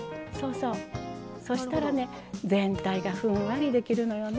そしたら全体がふんわりできるのよね。